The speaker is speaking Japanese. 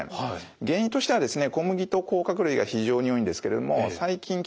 原因としてはですね